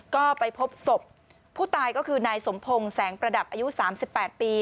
ก็ไปพบศพผู้ตายก็คือนายสมพงศ์แสงประดับอายุ๓๘ปี